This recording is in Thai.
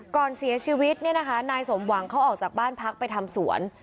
ก่อนเสียชีวิตเนี่ยนะคะนายสมหวังเขาออกจากบ้านพักไปทำสวน